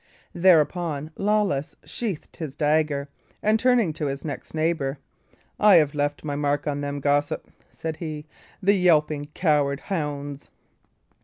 Thereupon, Lawless sheathed his dagger, and turning to his next neighbour, "I have left my mark on them, gossip," said he, "the yelping, coward hounds."